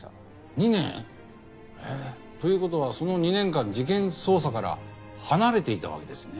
２年？という事はその２年間事件捜査から離れていたわけですね。